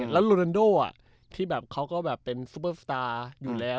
แล้วโรนันโดที่แบบเขาก็แบบเป็นซุปเปอร์สตาร์อยู่แล้ว